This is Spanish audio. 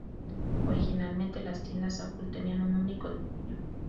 Originalmente, las tiendas Apple tenían un único diseño.